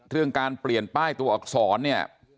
เรื่องการเปลี่ยนป้ายตัวอักษรเนี่ย